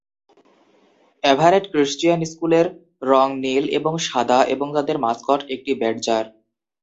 Everett Christian স্কুলের রঙ নীল এবং সাদা, এবং তাদের মাসকট একটি ব্যাডজার।